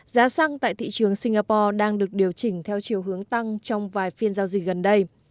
giá xăng tại thị trường singapore đang được điều chỉnh theo chiều hướng tăng trong vài phiên giao dịch gần đây